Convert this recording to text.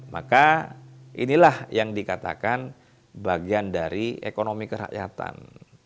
maka inilah yang dikatakan bagian dari ekonomi kerakyatan